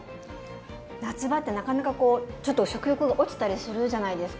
夏場ってなかなかこうちょっと食欲が落ちたりするじゃないですか。